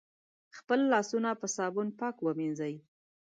خپل لاسونه په صابون پاک ومېنځی